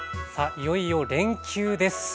いよいよ連休です。